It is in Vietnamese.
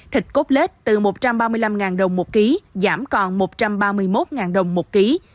thịt cốt lết từ một trăm ba mươi năm đồng một ký giảm còn một trăm ba mươi một đồng một ký